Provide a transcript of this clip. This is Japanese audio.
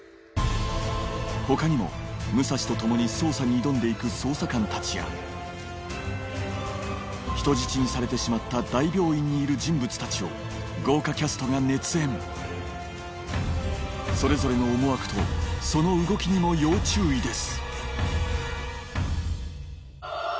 他にも武蔵と共に捜査に挑んで行く捜査官たちや人質にされてしまった大病院にいる人物たちを豪華キャストが熱演それぞれの思惑とその動きにも要注意です